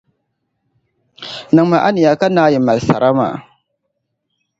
Niŋmi a niya ka naai mali sara maa.